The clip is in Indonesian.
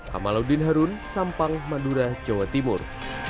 kamaludin harun sampang madura jawa timur